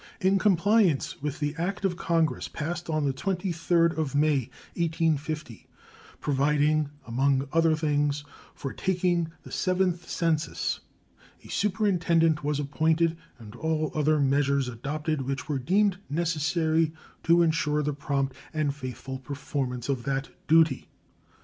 In compliance with the act of Congress passed on the 23d of May, 1850, providing, among other things, for taking the Seventh Census, a superintendent was appointed and all other measures adopted which were deemed necessary to insure the prompt and faithful performance of that duty.